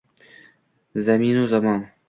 Zaminu zamon